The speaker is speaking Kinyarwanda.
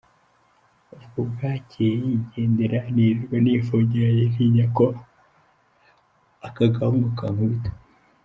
Ubwo bwakeye yigendera nirirwa nifungiranye ntinya ko aka gahungu kankubita.